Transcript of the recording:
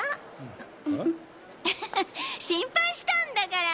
心配したんだから！